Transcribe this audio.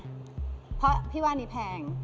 นกก็ว่าราบหน้ากลัวแบบบลูนี่แพง